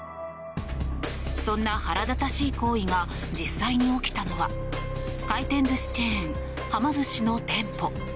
そんな腹立たしい行為が実際に起きたのは回転寿司チェーンはま寿司の店舗。